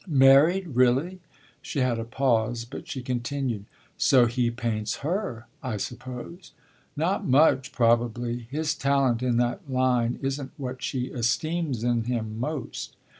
"Married really?" She had a pause, but she continued. "So he paints her, I suppose?" "Not much, probably. His talent in that line isn't what she esteems in him most."